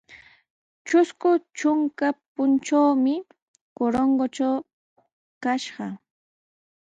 Trusku trunka puntrawmi Corongotraw kashaq.